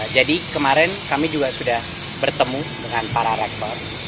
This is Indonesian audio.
jadi kemarin kami juga sudah bertemu dengan para rektor